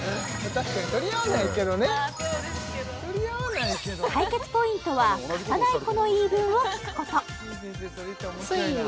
確かに取り合わないけどね解決ポイントは貸さない子の言い分を聞くこと確かに確かに！